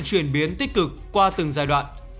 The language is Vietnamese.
chuyển biến tích cực qua từng giai đoạn